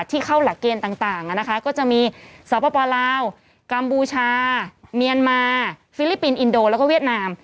เข้าหลักเกณฑ์ต่างก็จะมีสปลาวกัมพูชาเมียนมาฟิลิปปินส์อินโดแล้วก็เวียดนาม